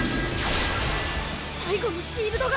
最後のシールドが。